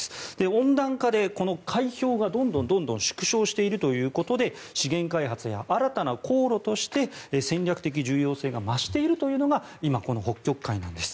温暖化で海氷がどんどん縮小しているということで資源開発や新たな航路として戦略的重要性が増しているというのが今、この北極海なんです。